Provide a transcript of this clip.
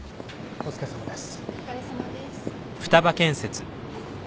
お疲れさまです。